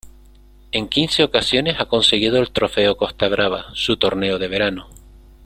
En quince ocasiones ha conseguido el Trofeo Costa Brava, su torneo de verano.